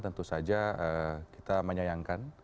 tentu saja kita menyayangkan